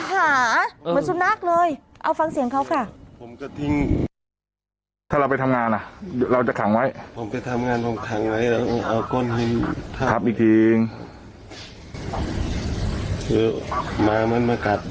เหมือนสุนัขเลยเอาฟังเสียงเขาค่ะ